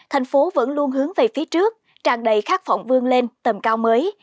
thành phố vẫn luôn hướng về phía trước tràn đầy khát phỏng vương lên tầm cao mới